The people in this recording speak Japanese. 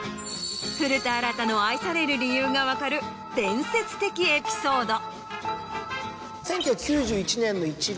古田新太の愛される理由が分かる伝説的エピソード。